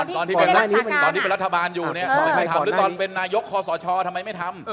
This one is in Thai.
ตอนที่เป็นรัฐบาลอยู่เนี่ยไม่ทำหรือตอนเป็นนายกคอสชทำไมไม่ทำ